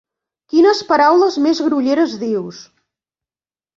Quines paraules més grolleres dius!